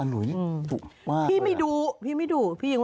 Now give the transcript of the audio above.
อร่วยดุมากเลย